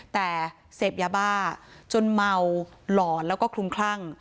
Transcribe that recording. แต่เสพยาบ้าจนเมาหลอนแล้วก็คลุมคลั่ง